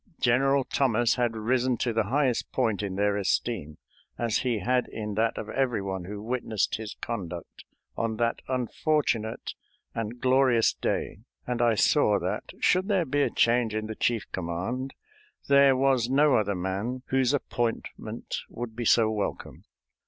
General Thomas had risen to the highest point in their esteem, as he had in that of every one who witnessed his conduct on that unfortunate and glorious day, and I saw that, should there be a change in the chief command, there was no other man whose appointment would be so welcome.